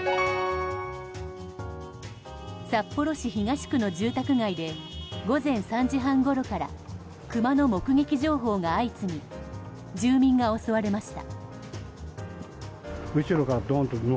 札幌市東区の住宅街で午前３時半ごろからクマの目撃情報が相次ぎ住民が襲われました。